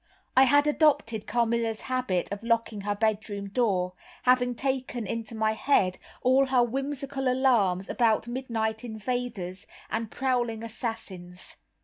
I had adopted Carmilla's habit of locking her bedroom door, having taken into my head all her whimsical alarms about midnight invaders and prowling assassins.